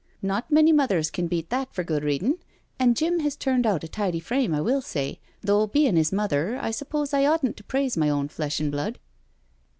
'* Not many mothers can beat that for good readin', and Jim has turned out a tidy frame^ I will say, though bein* his mother I sup pose I oughtn't to praise my own flesh and blood."